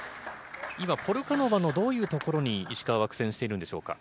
今、ポルカノバのどういうところに、石川は苦戦しているんでしょうか。